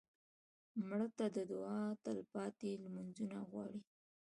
مړه ته د دعا تلپاتې لمونځونه غواړو